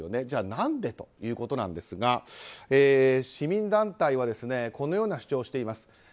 じゃあ何でということなんですが市民団体はこのような主張をしています。